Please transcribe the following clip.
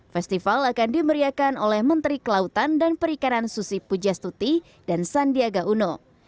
festival akan dimeriakan oleh menteri kelautan dan perikanan susi pujastuti dan sandiaga uno